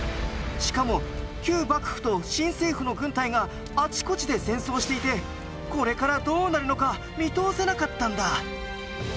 しかも旧幕府と新政府の軍隊があちこちで戦争していてこれからどうなるのか見通せなかったんだ。